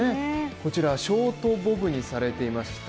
こちらショートボブにされていました。